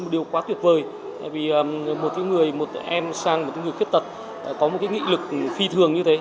điều quá tuyệt vời một em sang một người khuyết tật có một nghị lực phi thường như thế